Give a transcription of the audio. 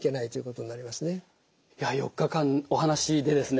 ４日間お話でですね